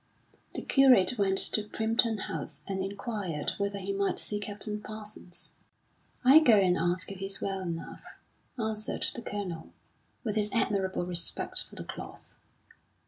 The curate went to Primpton House and inquired whether he might see Captain Parsons. "I'll go and ask if he's well enough," answered the Colonel, with his admirable respect for the cloth.